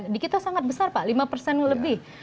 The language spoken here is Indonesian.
di kita sangat besar pak lima persen lebih